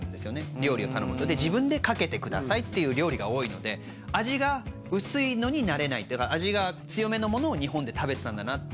料理を頼むとで自分でかけてくださいっていう料理が多いので味が薄いのに慣れない味が強めのものを日本で食べてたんだなって